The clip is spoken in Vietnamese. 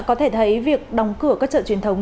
có thể thấy việc đóng cửa các chợ truyền thống